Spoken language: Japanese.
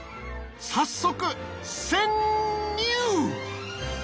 早速潜入！